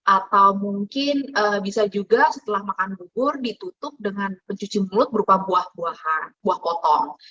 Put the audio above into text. atau mungkin bisa juga setelah makan bubur ditutup dengan pencuci mulut berupa buah buahan buah potong